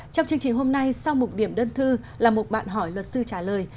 trong chương trình hôm nay sau mục điểm đơn thư là một bạn hỏi luật sư trả lời